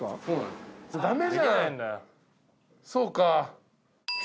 そうか。